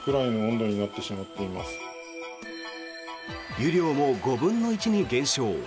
湯量も５分の１に減少。